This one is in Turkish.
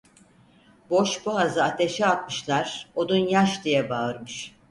Boşboğazı ateşe atmışlar, odun yaş diye bağırmış.